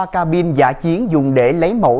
ba ca binh giả chiến dùng để lấy mẫu